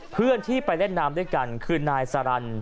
เพื่อนที่ไปเล่นน้ำด้วยกันคือนายสารัน